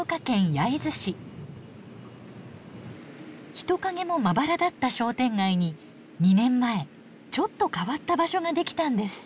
人影もまばらだった商店街に２年前ちょっと変わった場所ができたんです。